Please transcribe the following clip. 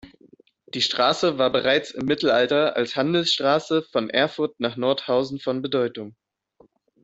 Die Straße war bereits im Mittelalter als Handelsstraße von Erfurt nach Nordhausen von Bedeutung.